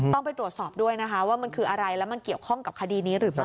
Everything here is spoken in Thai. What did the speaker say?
ต้องไปตรวจสอบด้วยนะคะว่ามันคืออะไรแล้วมันเกี่ยวข้องกับคดีนี้หรือไม่